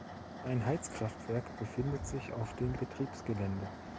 Ein Heizkraftwerk befindet sich auf dem Betriebsgelände.